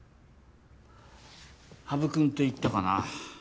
羽生君といったかな